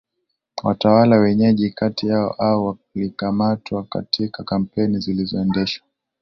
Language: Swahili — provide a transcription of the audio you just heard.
watawala wenyeji kati yao au walikamatwa katika kampeni zilizoendeshwa